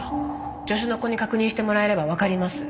助手の子に確認してもらえればわかります。